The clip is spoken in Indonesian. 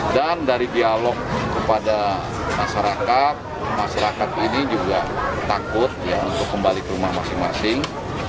dari dialog kepada masyarakat masyarakat ini juga takut ya untuk kembali ke rumah masing masing